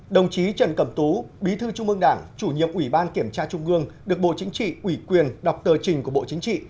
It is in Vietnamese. đồng chí trần cẩm tú bí thư trung ương đảng chủ nhiệm ủy ban kiểm tra trung ương được bộ chính trị ủy quyền đọc tờ trình của bộ chính trị